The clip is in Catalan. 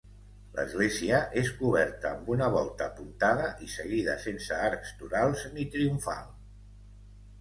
L'església és coberta amb una volta apuntada i seguida, sense arcs torals ni triomfal.